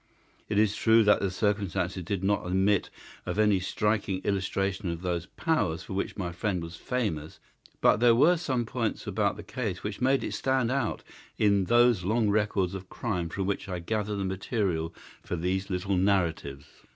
It is true that the circumstances did not admit of any striking illustration of those powers for which my friend was famous, but there were some points about the case which made it stand out in those long records of crime from which I gather the material for these little narratives.